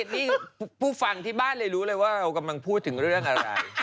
นี่ผู้ฟังที่บ้านเลยรู้เลยว่าเรากำลังพูดถึงเรื่องอะไร